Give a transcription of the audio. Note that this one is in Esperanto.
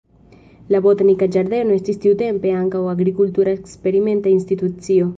La botanika ĝardeno estis tiutempe ankaŭ agrikultura eksperimenta institucio.